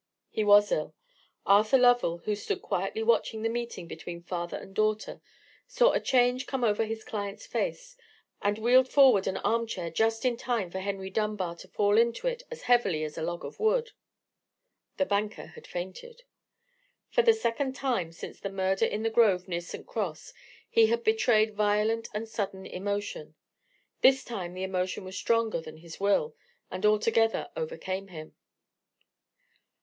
He was ill. Arthur Lovell, who stood quietly watching the meeting between the father and daughter, saw a change come over his client's face, and wheeled forward an arm chair just in time for Henry Dunbar to fall into it as heavily as a log of wood. The banker had fainted. For the second time since the murder in the grove near St. Cross he had betrayed violent and sudden emotion. This time the emotion was stronger than his will, and altogether overcame him.